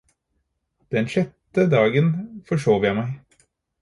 Den sjette dagen forsov jeg meg.